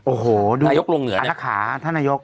โอ้โหดูธนาคาท่านนายก